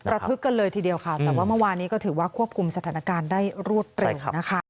รับทึกกันเลยทีเดียวครับว่าเมื่อวานี้ควบคุมสถานการณ์ได้รวดเร็ว